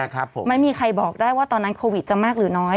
ไม่มีใครบอกได้ว่าตอนนั้นโควิดจะมากหรือน้อย